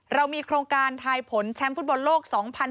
เรามีโครงการทายผลแชมป์ฟุตบอลโลก๒๐๑๖